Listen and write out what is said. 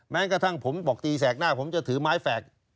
แม้กระทั่งผมบอกตีแสกหน้าผมจะถือไม้แฝก